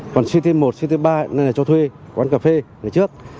còn ct một ct ba này là cho thuê quán cà phê ngày trước